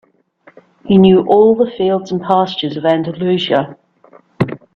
He knew all the fields and pastures of Andalusia.